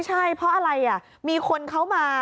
ใช่เพราะอะไรมีคนเขามา